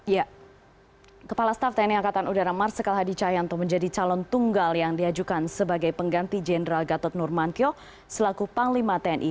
ya kepala staff tni angkatan udara marsikal hadi cahyanto menjadi calon tunggal yang diajukan sebagai pengganti jenderal gatot nurmantio selaku panglima tni